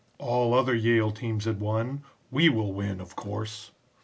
All other Yale teams had won, 'We will win, of course.'